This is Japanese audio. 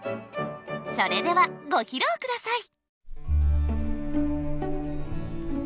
それではご披露下さい！